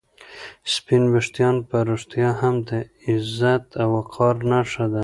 سپین ویښتان په رښتیا هم د عزت او وقار نښه ده.